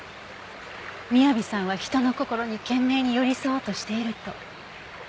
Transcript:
雅さんは人の心に懸命に寄り添おうとしていると。